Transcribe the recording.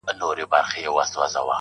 چي پر سر د دې غريب دئ كښېنستلى-